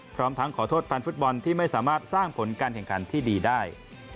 พร้อมทั้งขอโทษแฟนฟุตบอลที่ไม่สามารถสร้างผลการแข่งขันที่ดีได้